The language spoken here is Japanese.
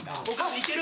いける！